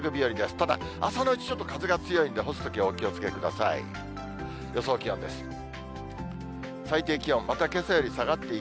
ただ、朝のうち、ちょっと風が強いんで、干すときはお気をつけください。